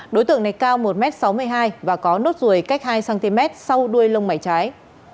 đối tượng này cao một m sáu mươi hai và có nốt ruồi cách hai cm sau đuôi lông mảy trái